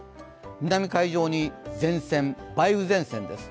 南海上に前線、梅雨前線です。